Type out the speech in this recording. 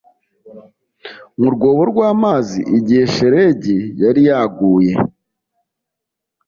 Mu Rwobo Rw Amazi Igihe Shelegi Yari Yaguye